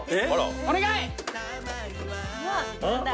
お願い！